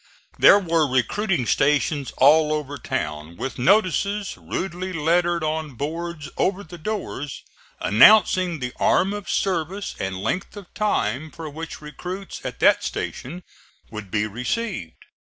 There were recruiting stations all over town, with notices, rudely lettered on boards over the doors, announcing the arm of service and length of time for which recruits at that station would be received.